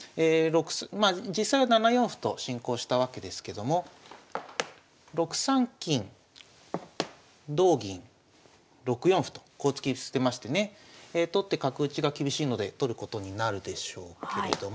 まあ実際は７四歩と進行したわけですけども６三金同銀６四歩とこう突き捨てましてね取って角打ちが厳しいので取ることになるでしょうけれども。